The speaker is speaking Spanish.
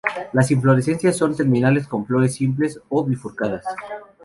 Las inflorescencias son terminales con flores simples o bifurcadas.